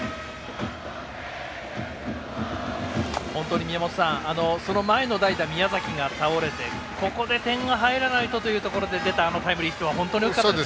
本当に宮本さん、その前の代打宮崎が倒れてここで点が入らないとという中で打ったあのタイムリーヒットは本当に大きかったですね。